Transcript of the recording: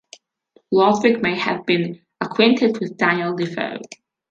Lodwick may have been acquainted with Daniel Defoe.